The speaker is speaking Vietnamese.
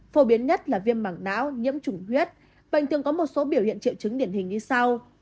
phổ biến nhất là viêm mảng não nhiễm chủng huyết bệnh thường có một số biểu hiện triệu chứng điển hình như sau